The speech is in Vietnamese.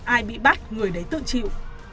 ai bị bắt người đấy tự chịu